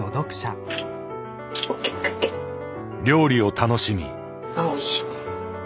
料理を楽しみ。